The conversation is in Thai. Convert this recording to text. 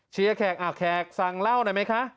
เชียร์แขกแขกสั่งเหล้าหน่อยไหมคะ